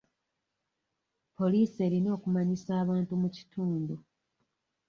Poliisi erina okumanyisa abantu mu kitundu.